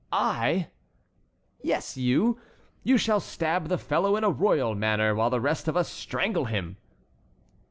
"I!" "Yes, you! you shall stab the fellow in a royal manner, while the rest of us strangle him."